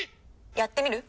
やってみる？